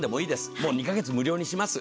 もう２カ月無料にします。